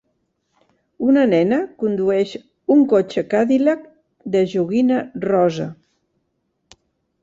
Una nena condueix un cotxe Cadillac de joguina rosa.